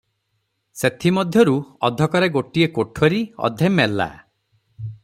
ସେଥିମଧ୍ୟରୁ ଅଧକରେ ଗୋଟିଏ କୋଠରୀ, ଅଧେ ମେଲା ।